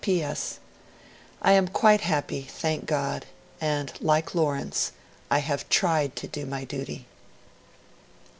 'P.S. I am quite happy, thank God, and, like Lawrence, I have TRIED to do my duty.'